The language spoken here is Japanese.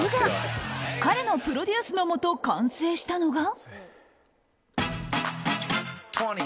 彼のプロデュースのもと完成したのが。